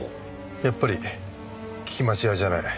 やっぱり聞き間違いじゃない。